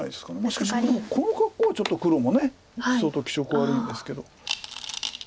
しかしでもこの格好はちょっと黒も相当気色悪いんですけど。